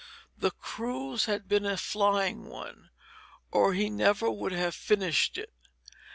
The cruise had been a flying one, or he never would have finished it.